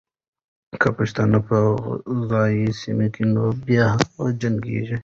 که پښتانه په عذاب سي، نو بیا هم جنګېږي.